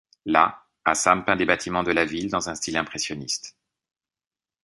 Là, Hassam peint des bâtiments de la ville dans un style impressionniste.